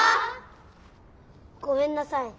ごめんなさい。